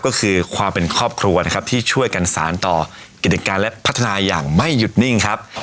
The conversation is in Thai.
ก็คือความเป็นครอบครัวนะครับที่ช่วยกันสารต่อกิจการและพัฒนาอย่างไม่หยุดนิ่งครับ